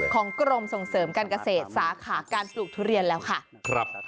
กรมส่งเสริมการเกษตรสาขาการปลูกทุเรียนแล้วค่ะ